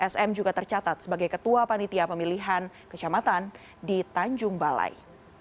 sm juga tercatat sebagai ketua panitia pemilihan kecamatan di tanjung balai